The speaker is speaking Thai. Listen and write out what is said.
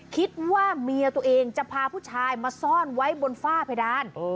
คิดว่าเมียตัวเองจะพาผู้ชายมาซ่อนไว้บนฝ้าเพดาน